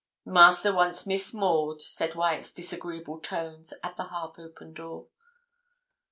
'Master wants Miss Maud,' said Wyat's disagreeable tones, at the half open door.